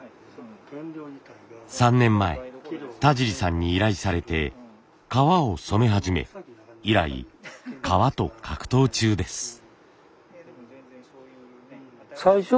３年前田尻さんに依頼されて革を染め始め以来革と格闘中です。